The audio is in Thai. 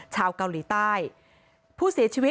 ชาวเกาหลีใต้